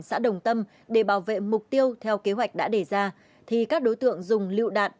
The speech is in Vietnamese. xã đồng tâm để bảo vệ mục tiêu theo kế hoạch đã đề ra thì các đối tượng dùng lựu đạn